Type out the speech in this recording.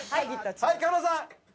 はい加納さん。